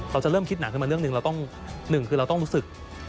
เราจะเริ่มคิดหนักขึ้นมาเรื่องหนึ่งเราต้องหนึ่งคือเราต้องรู้สึก